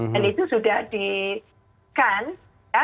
dan itu sudah di kan ya